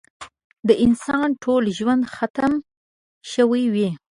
د انسان ټول ژوند ختم شوی وي.